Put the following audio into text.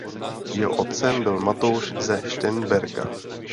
Jeho otcem byl Matouš ze Šternberka.